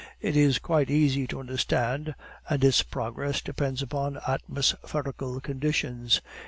It is quite easy to understand, and its progress depends upon atmospherical conditions.